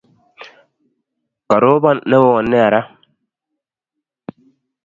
koropan newon nea raa